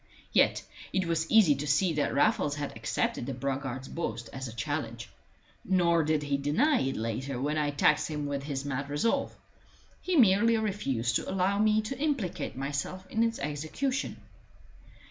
Yet it was easy to see that Raffles had accepted the braggart's boast as a challenge. Nor did he deny it later when I taxed him with his mad resolve; he merely refused to allow me to implicate myself in its execution.